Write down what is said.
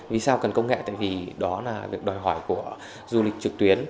vì sao cần công nghệ tại vì đó là việc đòi hỏi của du lịch trực tuyến